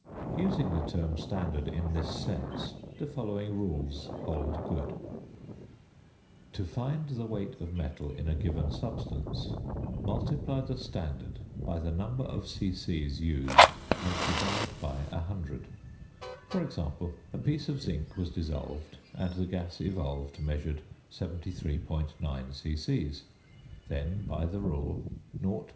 Using the term "standard" in this sense, the following rules hold good: To find the weight of metal in a given substance: Multiply the standard by the number of c.c. used and divide by 100. For example: a piece of zinc was dissolved and the gas evolved measured 73.9 c.c. Then by the rule, 0.2955×73.